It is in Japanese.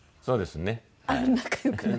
そうですね。